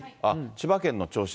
千葉県の銚子。